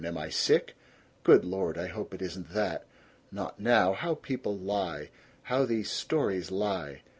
Am I sick? ... Good Lord, I hope it isn't that! Not now! How people lie! How these stories lie!